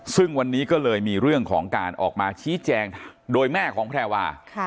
ซึ่งวันนี้ก็เลยมีเรื่องของการออกมาชี้แจงโดยแม่ของแพรวา